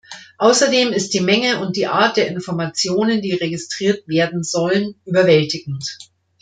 Außerdem ist die Menge und die Art der Informationen, die registriert werden sollen, überwältigend.